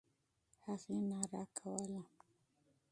هغې ناره کوله.